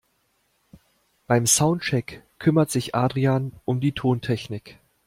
Beim Soundcheck kümmert sich Adrian um die Tontechnik.